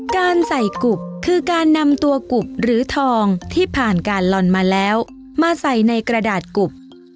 การใส่กุบคือการนำตัวกุบหรือทองที่ผ่านการลอนมาแล้วมาใส่ในกระดาษกุบ